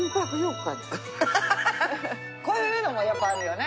こういうのもやっぱあるよね。